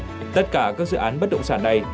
đối tượng và các dự án bất động sản này